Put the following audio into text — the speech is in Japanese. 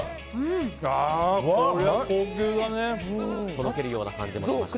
とろけるような感じもしまして。